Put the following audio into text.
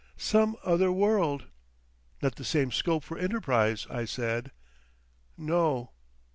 "Some other world." "Not the same scope for enterprise," I said. "No."